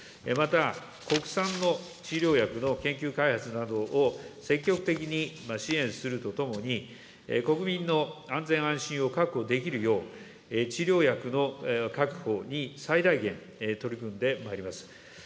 また国産の治療薬の研究開発などを積極的に支援するとともに、国民の安全・安心を確保できるよう、治療薬の確保に最大限取り組んでまいります。